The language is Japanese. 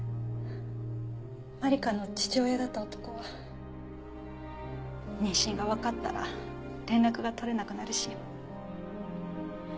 万理華の父親だった男は妊娠がわかったら連絡がとれなくなるし。